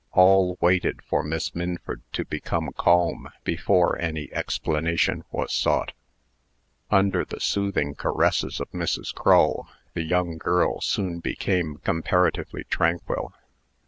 All waited for Miss Minford to become calm before any explanation was sought. Under the soothing caresses of Mrs. Crull, the young girl soon became comparatively tranquil.